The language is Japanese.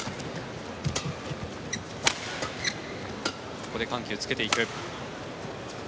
ここで緩急をつけていく。